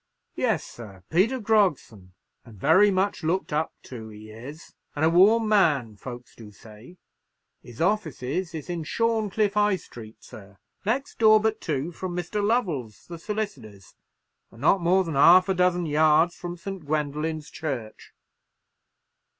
"Yes, sir; Peter Grogson, and very much looked up to he is, and a warm man, folks do say. His offices is in Shorncliffe High Street, sir; next door but two from Mr. Lovell's, the solicitor's, and not more than half a dozen yards from St. Gwendoline's Church."